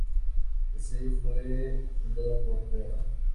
La Salle fue fundada por Br.